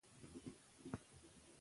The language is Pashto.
یا ئی پښتو پرېښې وي